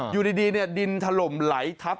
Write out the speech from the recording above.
อยู่ดีเนี่ยดินถล่มไหลทับ